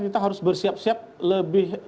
kita harus bersiap siap lebih